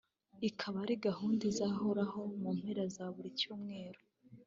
ikaba ari gahunda izahoraho mu mpera za buri cyumweru